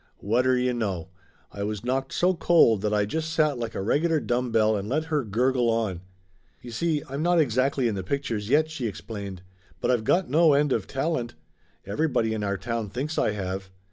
Whatter you know ! I was knocked so cold that I just sat like a regular dumb bell and let her gurgle on. "You see, I'm not exactly in the pictures yet," she explained. "But I've got no end of talent. Every body in our town thinks I have.